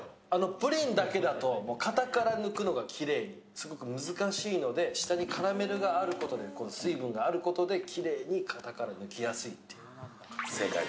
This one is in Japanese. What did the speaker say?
プリンだけだときれいに型から抜くのが難しいので、下にカラメルがあることで水分があることできれいに型から抜きやすいっていう。